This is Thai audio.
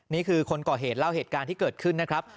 นี่คือคนก่อเหตุเล่าเหตุการณ์ที่เกิดขึ้นนะครับ